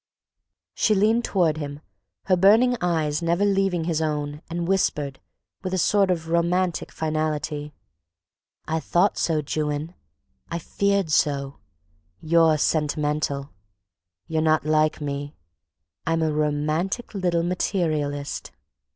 She leaned toward him, her burning eyes never leaving his own and whispered with a sort of romantic finality: "I thought so, Juan, I feared so—you're sentimental. You're not like me. I'm a romantic little materialist."